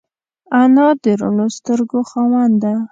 انا د روڼو سترګو خاوند ده